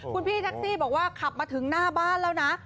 คุณพี่แท็กซี่บอกว่าขับมาถึงหน้าบ้านแล้วนะ